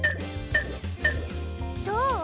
どう？